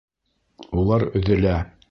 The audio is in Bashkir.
Улар өҙөлә!